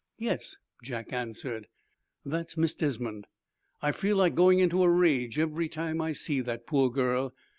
"Yes," Jack answered. "That's Miss Desmond. I feel like going into a rage every time I see that poor girl.